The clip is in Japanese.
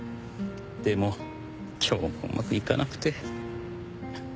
でも今日もうまくいかなくて。